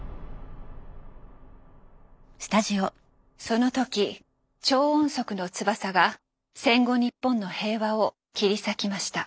その時超音速の翼が戦後日本の平和を切り裂きました。